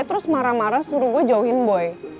terus marah marah suruh gue jauhin boy